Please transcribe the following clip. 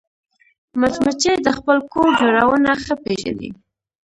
مچمچۍ د خپل کور جوړونه ښه پېژني